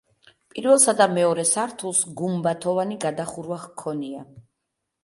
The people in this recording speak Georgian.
პირველსა და მეორე სართულს გუმბათოვანი გადახურვა ჰქონია.